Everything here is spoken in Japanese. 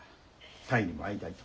泰にも会いたいと。